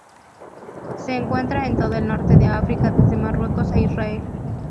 Se encuentra en todo el norte de África desde Marruecos a Israel.